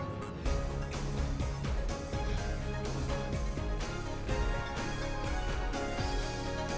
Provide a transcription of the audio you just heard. pola bersikopi beratur dari api gunung rutu optimal utama dari tiga setengah menit dari kesuluhan pajak dan setengahlementsi